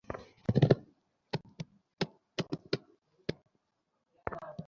কিসের জন্য অপেক্ষা করছ?